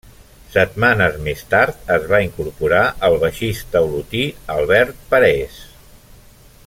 Setmanes més tard es va incorporar el baixista olotí Albert Parés.